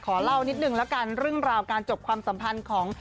เล่านิดนึงละกันเรื่องราวการจบความสัมพันธ์ของ